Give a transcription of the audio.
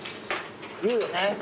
いうよね？